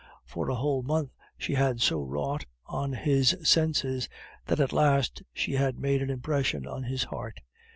For a whole month she had so wrought on his senses, that at last she had made an impression on his heart.